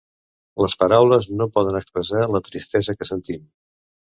Les paraules no poden expressar la tristesa que sentim.